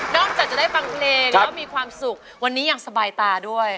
จากจะได้ฟังเพลงแล้วมีความสุขวันนี้อย่างสบายตาด้วย